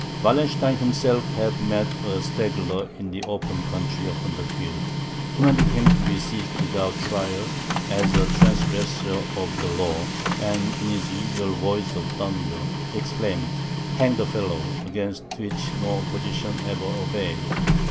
Wallenstein himself having met a straggler in the open country upon the field, commanded him to be seized without trial, as a transgressor of the law, and in his usual voice of thunder, exclaimed, "Hang the fellow," against which no opposition ever availed.